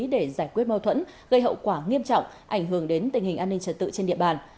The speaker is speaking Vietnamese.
để giải quyết mâu thuẫn gây hậu quả nghiêm trọng ảnh hưởng đến tình hình an ninh trật tự trên địa bàn